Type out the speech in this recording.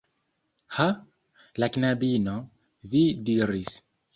Ha? La knabino, vi diris